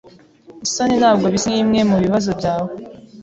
Isoni ntabwo bisa nkimwe mubibazo byawe.